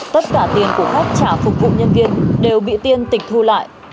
tất cả tiền của khách trả phục vụ nhân viên đều bị tiên tịch thu lại